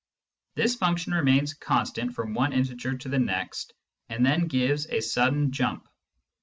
This function remains constant from one integer to the next, and then gives a sudden jump.